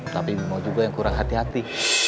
tapi mau juga yang kurang hati hati